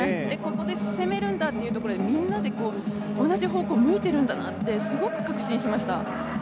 ここで攻めるんだというところで、みんなで同じ方向を向いてるんだなとすごく確信しました。